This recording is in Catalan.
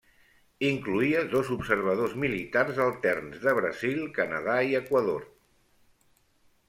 Incloïa dos observadors militars alterns de Brasil, Canadà i Equador.